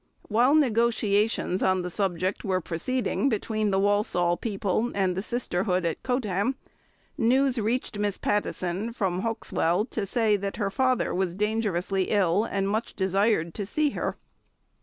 While negotiations on this subject were proceeding between the Walsall people and the sisterhood at Coatham, news reached Miss Pattison from Hauxwell, to say that her father was dangerously ill and much desired to see her.